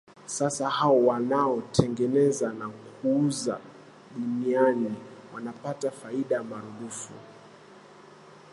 sasa hao wanaotengeneza na kuuza duniani wanapata faida maradufu